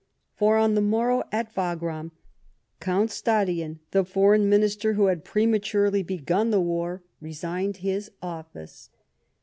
For, on the morrow at Wagram, Count Stadion, the Foreign Minister who had prematurely begun the war, THE WAR OF 1809. 51 resigned his office.